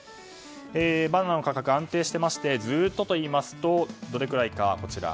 バナナの価格、安定していましてずっとといいますとどれくらいか。